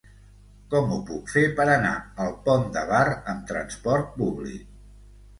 Com ho puc fer per anar al Pont de Bar amb trasport públic?